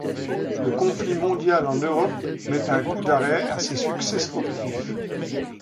Le conflit mondial en Europe met un coup d'arrêt à ses succès sportifs.